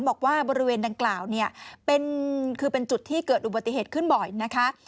บอกว่าบริเวณดังกล่าวเนี่ยคือเป็นจุดที่เกิดอุบัติเหตุขึ้นบ่อยนะคะ